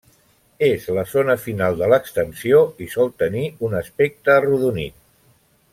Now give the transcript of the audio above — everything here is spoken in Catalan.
És la zona final de l'extensió i sol tenir un aspecte arrodonit.